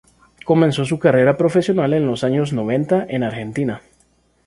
Comenzó su carrera profesional en los años noventa en Argentina.